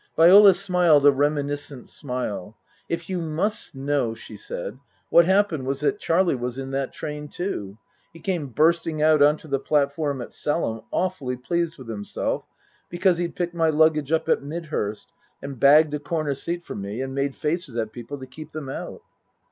Viola smiled a reminiscent smile. " If you must know," she said, " what happened was that Charlie was in that train, too he came bursting out on to the platform at Selham, awfully pleased with himself, because he'd picked my luggage up at Midhurst and bagged a corner seat for me, and made faces at people to keep them out.